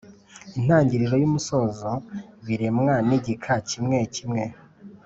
Intangiriro n’ umusozo biremwa n’igika kimwe kimwe